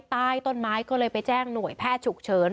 ใต้ต้นไม้ก็เลยไปแจ้งหน่วยแพทย์ฉุกเฉิน